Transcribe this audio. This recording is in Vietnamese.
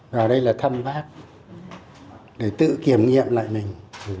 vào đây là thăm bác để tự kiểm nghiệm lại mình